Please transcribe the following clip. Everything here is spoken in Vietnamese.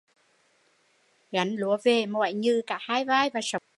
Gánh lúa về mỏi nhừ cả hai vai và sống lưng